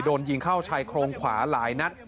โดนยิงเข้าชายโครงขวาหลายนัด